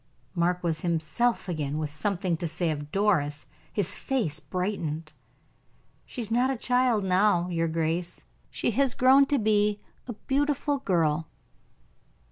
Mark was himself again with something to say of Doris. His face brightened. "She is not a child now, your grace; she has grown to be a beautiful girl."